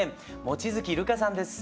望月琉叶さんです。